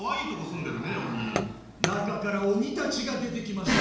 「中から鬼たちが出てきました」。